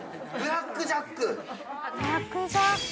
ブラックジャック！